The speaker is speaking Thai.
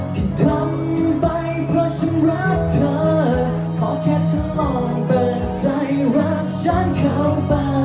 ที่ทำไปเพราะฉันรักเธอขอแค่เธอลองเบิกใจรักฉันเข้าไป